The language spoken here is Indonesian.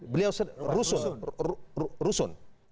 beliau sediakan rusun